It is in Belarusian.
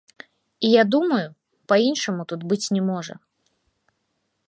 І я думаю, па-іншаму тут быць не можа.